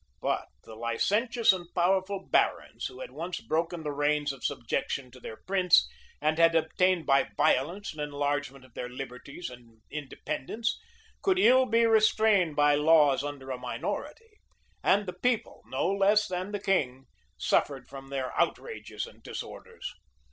But the licentious and powerful barons, who had once broken the reins of subjection to their prince, and had obtained by violence an enlargement of their liberties and independence, could ill be restrained by laws under a minority; and the people, no less than the king, suffered from their outrages and disorders.